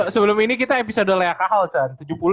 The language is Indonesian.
sebelum ini kita episode layakahal